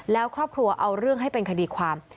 แล้วครอบครัวเอาเรื่องให้เป็นคดีความ